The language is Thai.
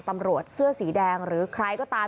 ตำรวจเสื้อสีแดงหรือใครก็ตาม